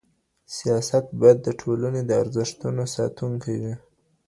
سياست بايد د ټولنې د ارزښتونو ساتونکی وي.